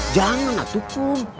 jangan atu kum